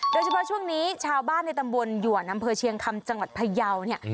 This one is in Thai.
โดยเฉพาะช่วงนี้ชาวบ้านในตำบลหยวนอำเภอเชียงคำจังหวัดพยาวเนี่ย